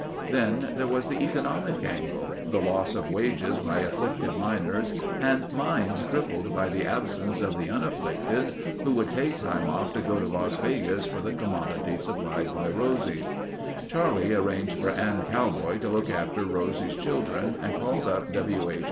Then there was the economic angle—the loss of wages by afflicted miners and mines crippled by the absence of the unafflicted who would take time off to go to Las Vegas for the commodity supplied by Rosie. Charlie arranged for Ann Cowboy to look after Rosie's children and called up W. H.